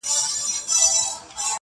زورور هم تر چنګېز هم تر سکندر دی.!